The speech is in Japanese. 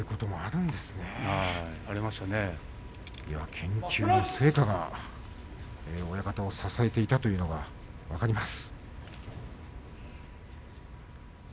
研究の成果が親方を支えていたのが分かります。